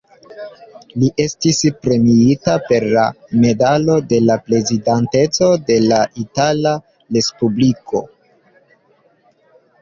Li estis premiita per la Medalo de la Prezidanteco de la Itala Respubliko.